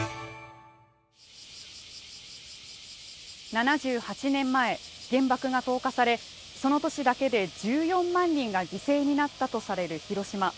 ７８年前、原爆が投下されその年だけで１４万人が犠牲になったとされる広島。